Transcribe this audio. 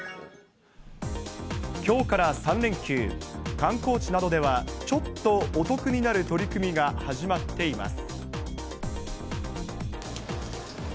観光地などでは、ちょっとお得になる取り組みが始まっています。